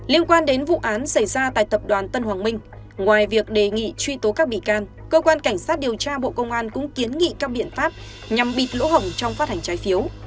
liên quan đến vụ án xảy ra tại tập đoàn tân hoàng minh ngoài việc đề nghị truy tố các bị can cơ quan cảnh sát điều tra bộ công an cũng kiến nghị các biện pháp nhằm bịt lỗ hổng trong phát hành trái phiếu